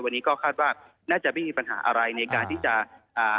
วันนี้ก็คาดว่าน่าจะไม่มีปัญหาอะไรในการที่จะอ่า